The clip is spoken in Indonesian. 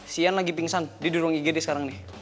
sian lagi pingsan dia di ruang igd sekarang